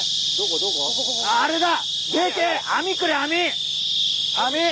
ああれだ！